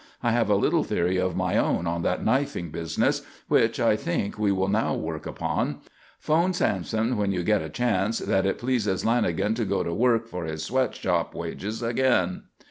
I have a little theory of my own on that knifing business, which, I think, we will now work upon. 'Phone Sampson when you get a chance that it pleases Lanagan to go to work for his sweat shop wages again."